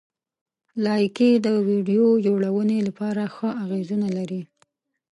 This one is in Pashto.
لایکي د ویډیو جوړونې لپاره ښه اغېزونه لري.